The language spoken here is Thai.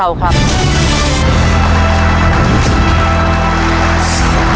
คำถามทั้งหมด๕เรื่องมีดังนี้ครับ